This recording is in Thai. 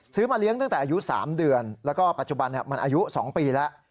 มาเลี้ยงตั้งแต่อายุ๓เดือนแล้วก็ปัจจุบันมันอายุ๒ปีแล้ว